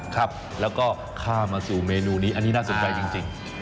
ครับแล้วก็ข้ามมาสู่เมนูนี้อันนี้น่าสนใจจริง